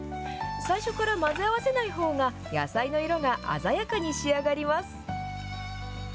最初から混ぜ合わせないほうが、野菜の色が鮮やかに仕上がります。